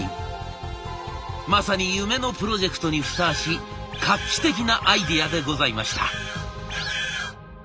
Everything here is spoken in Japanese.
まさに夢のプロジェクトにふさわしい画期的なアイデアでございました。